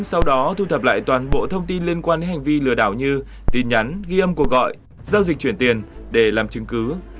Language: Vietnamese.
sau đó thu thập lại toàn bộ thông tin liên quan đến hành vi lừa đảo như tin nhắn ghi âm cuộc gọi giao dịch chuyển tiền để làm chứng cứ